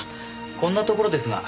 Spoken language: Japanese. こんなところですが。